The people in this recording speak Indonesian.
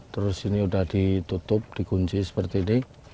terus ini sudah ditutup dikunci seperti ini